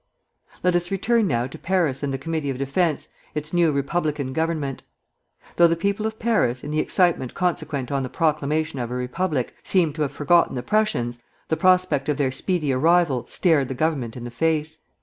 Let us return now to Paris and the Committee of Defence, its new Republican Government. Though the people of Paris, in the excitement consequent on the proclamation of a Republic, seemed to have forgotten the Prussians, the prospect of their speedy arrival stared the Government in the face.